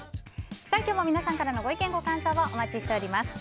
今日も皆様からのご意見ご感想をお待ちしています。